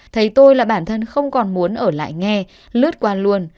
thấy tôi là bản thân không còn muốn ở lại nghe lướt qua luôn